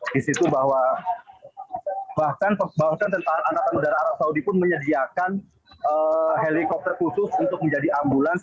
di situ bahwa bahkan angkatan udara arab saudi pun menyediakan helikopter khusus untuk menjadi ambulans